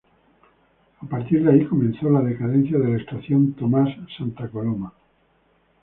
A partir de ahí comenzó la decadencia de la Estación Tomas Santa Coloma.